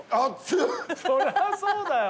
そりゃそうだよ。